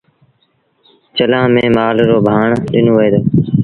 چلآݩ ميݩ مآل رو ڀآڻ ڏنو وهي دو۔